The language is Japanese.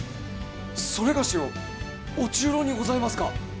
それがしを御中臈にございますか！？